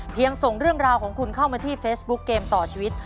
ส่งเรื่องราวของคุณเข้ามาที่เฟซบุ๊คเกมต่อชีวิต